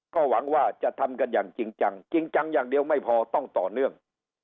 ก็หวังว่าจะทำกันอย่างจริงจังจริงจังอย่างเดียวไม่พอต้องต่อเนื่อง